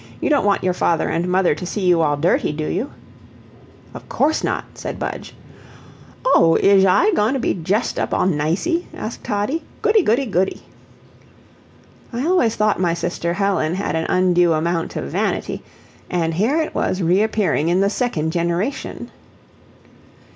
You don't want your father and mother to see you all dirty, do you?" "Of course not," said Budge. "Oh, Izh I goin' to be djessed up all nicey?" asked Toddie. "Goody! goody! goody!" I always thought my sister Helen had an undue amount of vanity, and here it was reappearing in the second generation.